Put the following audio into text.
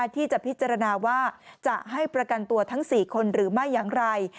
ที่จะพิจารณาว่าจะให้ประกันตัวทั้ง๔คนหรือไม่อย่างไร